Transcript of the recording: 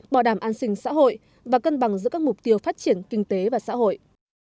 bảo đảm an sinh xã hội và cân bằng giữa các mục tiêu phát triển kinh tế và xã hội